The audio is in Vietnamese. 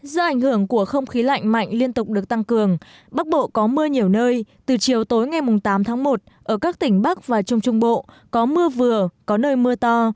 do ảnh hưởng của không khí lạnh mạnh liên tục được tăng cường bắc bộ có mưa nhiều nơi từ chiều tối ngày tám tháng một ở các tỉnh bắc và trung trung bộ có mưa vừa có nơi mưa to